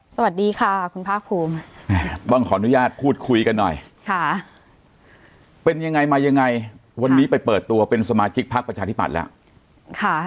สวัสดีค่ะคุณภาคภูมิต้องขออนุญาตพูดคุยกันหน่อยค่ะเป็นยังไงมายังไงวันนี้ไปเปิดตัวเป็นสมาชิกพักประชาธิปัตย์แล้วค่ะ